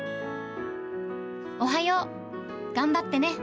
おはよう、頑張ってね。